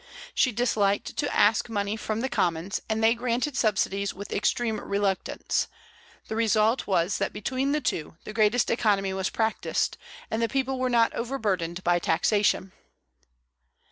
She disliked to ask money from the Commons, and they granted subsidies with extreme reluctance; the result was that between the two the greatest economy was practised, and the people were not over burdened by taxation.